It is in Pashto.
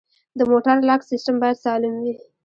د موټر لاک سیستم باید سالم وي.